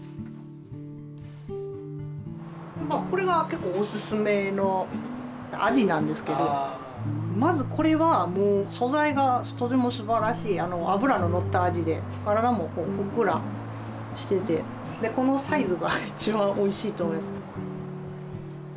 これが結構オススメのアジなんですけどまずこれはもう素材がとてもすばらしい脂ののったアジで体もふっくらしててこのサイズが一番おいしいと思います。